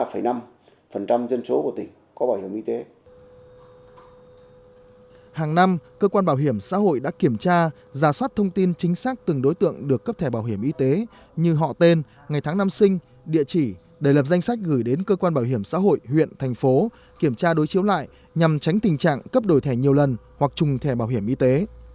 hàng năm cơ quan bảo hiểm xã hội đã kiểm tra giả soát thông tin chính xác từng đối tượng được cấp thẻ bảo hiểm y tế như họ tên ngày tháng năm sinh địa chỉ để lập danh sách gửi đến cơ quan bảo hiểm xã hội huyện thành phố kiểm tra đối chiếu lại nhằm tránh tình trạng cấp đổi thẻ nhiều lần hoặc trùng thẻ bảo hiểm y tế